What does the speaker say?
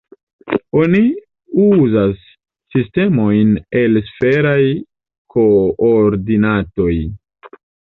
Oni uzas sistemojn el sferaj koordinatoj.